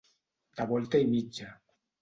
De volta i mitja.